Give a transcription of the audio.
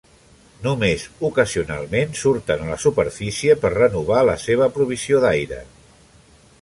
Només ocasionalment surten a la superfície per renovar la seva provisió d'aire.